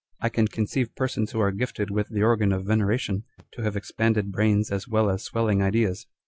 I can conceive persons who arc gifted with the organ of venera tion to have expanded brains as well as swelling ideas.